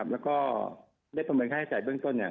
แล้วก็ได้ประเมินค่าใช้จ่ายเบื้องต้น